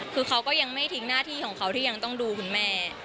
คือเขาก็ยังไม่ทิ้งหน้าที่ของเขาที่ยังต้องดูคุณแม่